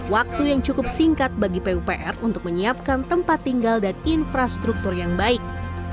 waktu yang cukup singkat bagi pupr untuk menyiapkan tempat tinggal dan infrastruktur yang baik